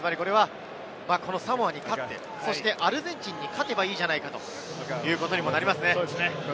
サモアに勝って、アルゼンチンに勝てばいいじゃないかということにもなりますね。